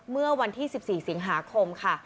เมื่อวันที่๑๔สิงหาคมค่ะ